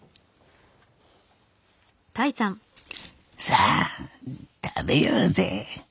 さあ食べようぜ。